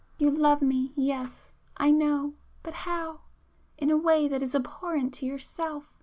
[p 310]"You love me,—yes, I know, but how? In a way that is abhorrent to yourself!"